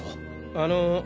あの。